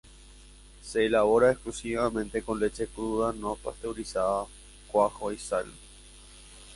Se elabora exclusivamente con leche cruda no pasteurizada, cuajo y sal.